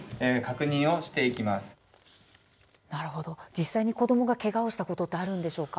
実際に子どもがけがをしたことがあるんですか。